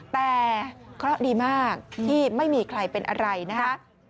แต่เคราะห์ดีมากที่ไม่มีใครเป็นอะไรนะคะ